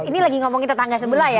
ini lagi ngomongin tetangga sebelah ya